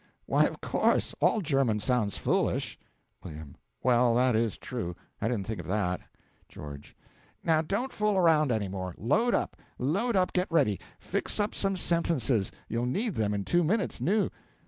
Why, of course; all German sounds foolish. W. Well, that is true; I didn't think of that. GEO. Now, don't fool around any more. Load up; load up; get ready. Fix up some sentences; you'll need them in two minutes now.